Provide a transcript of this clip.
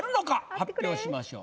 発表しましょう。